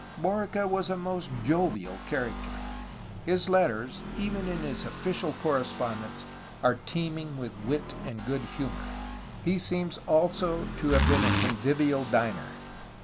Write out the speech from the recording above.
Borica was a most jovial character. His letters, even in his official correspondence, are teeming with wit and good humor. He seems also to have been a convivial diner.